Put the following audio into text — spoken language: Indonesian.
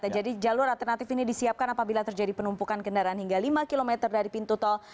jadi jalur alternatif ini disiapkan apabila terjadi penumpukan kendaraan hingga lima km dari pintu tol